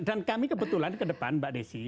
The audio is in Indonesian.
dan kami kebetulan ke depan mbak desy